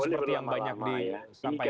seperti yang banyak disampaikan